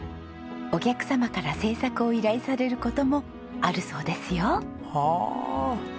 お客様から制作を依頼される事もあるそうですよ。はあ！